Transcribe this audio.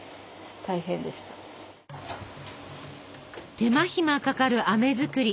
手間暇かかるあめ作り。